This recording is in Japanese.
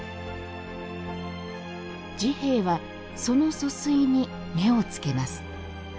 治兵衛はその疎水に目をつけます。